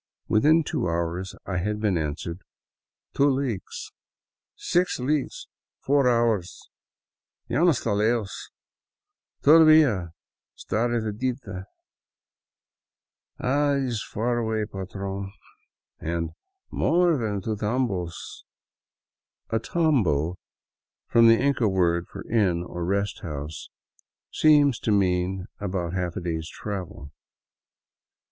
Within two hours I had been answered :" Two leagues,'* " six leagues," " four hours," " ya no 'sta lejos," " Todavia 'sta retir adita," " Ah, it is far away, patron," and " More than two tambos "— a tamho, from the Inca word for inn, or rest house, seems to mean about a half day's travel.